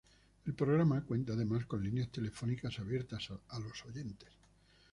El programa cuenta además con líneas telefónicas abiertas a los oyentes.